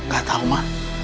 gak tahu ma